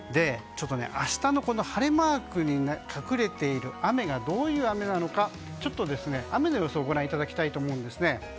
明日の晴れマークに隠れている雨がどういう雨なのか雨の予想をご覧いただきたいと思うんですね。